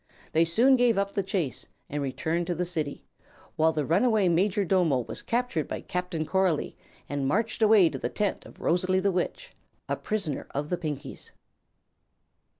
They soon gave up the chase and returned to the City, while the runaway Majordomo was captured by Captain Coralie and marched away to the tent of Rosalie the Witch, a prisoner of the Pinkies.